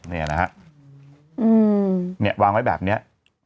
เนี่ยนะครับวางไว้แบบเนี้ย